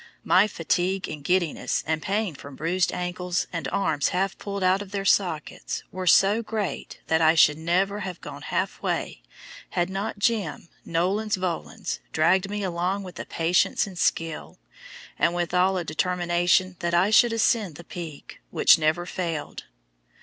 My fatigue, giddiness, and pain from bruised ankles, and arms half pulled out of their sockets, were so great that I should never have gone halfway had not "Jim," nolens volens, dragged me along with a patience and skill, and withal a determination that I should ascend the Peak, which never failed.